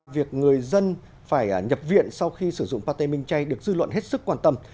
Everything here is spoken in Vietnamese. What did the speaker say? việc người dân phải nhập viện sau khi sử dụng pate minh chay được dư luận hết sức quan tâm